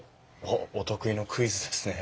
おっお得意のクイズですね。